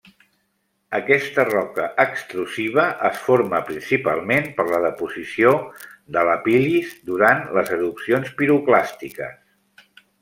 Aquesta roca extrusiva es forma principalment per la deposició de lapil·lis durant les erupcions piroclàstiques.